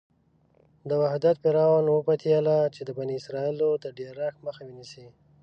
د وخت فرعون وپتېیله چې د بني اسرایلو د ډېرښت مخه ونیسي.